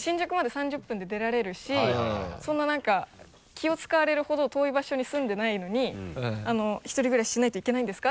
そんななんか気を使われるほど遠い場所に住んでないのに１人暮らししないといけないんですか？